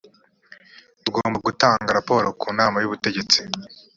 tugomba gutanga raporo ku nama y ubutegetsi